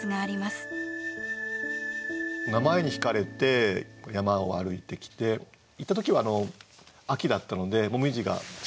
名前にひかれて山を歩いてきて行った時は秋だったので紅葉が散ってた頃なんですけどね。